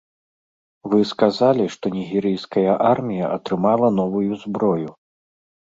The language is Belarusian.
Вы сказалі, што нігерыйская армія атрымала новую зброю.